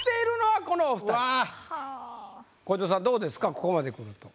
ここまでくると。